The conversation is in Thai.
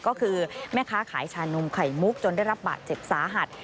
ก็คือแม่ค้าขายชานมไข่มุกจนได้รับบาดเจ็บสาหัส